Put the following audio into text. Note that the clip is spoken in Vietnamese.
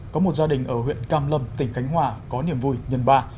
có một gia đình ở huyện cam lâm tỉnh khánh hòa có niềm vui nhân ba